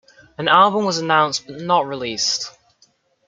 An album was announced but not released.